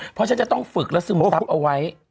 เพราะฉันจะต้องฝึกและซึมทับเอาไว้